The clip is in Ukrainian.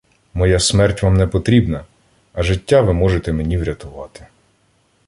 Моя смерть вам не потрібна, а життя ви можете мені врятувати.